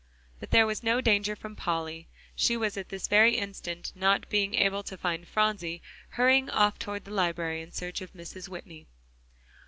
But there was no danger from Polly; she was at this very instant, not being able to find Phronsie, hurrying off toward the library in search of Mrs. Whitney.